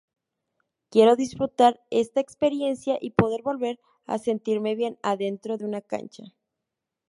Quiero disfrutar esta experiencia y poder volver a sentirme bien adentro de una cancha.